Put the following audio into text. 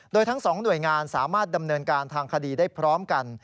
โดยทั้งสองหน่วยงานสามารถดำเนินการทางคดีได้พร้อมกัน